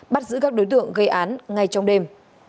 bắt giữ các đối tượng gây án ngay trong đêm